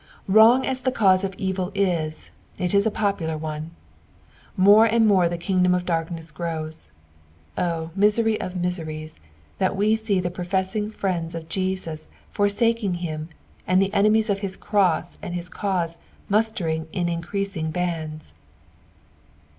Wrong as the cause of evil is, it is a popular one. More and more the kingdom of darkness grows. Oh, misery of miseries, that we see the professed friends of Jesus forsaking him, and the enemies of his cross and his cause mustering iu increasing bands